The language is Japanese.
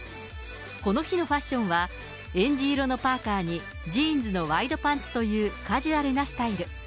この日のファッションは、えんじ色のパーカにジーンズのワイドパンツというカジュアルなスタイル。